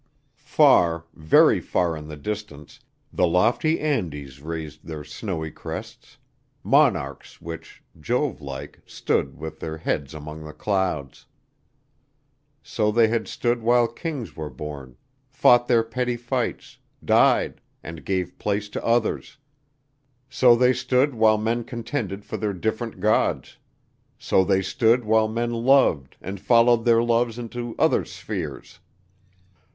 Far, very far in the distance the lofty Andes raised their snowy crests monarchs which, Jove like, stood with their heads among the clouds. So they had stood while kings were born, fought their petty fights, died, and gave place to others; so they stood while men contended for their different gods; so they stood while men loved and followed their loves into other spheres.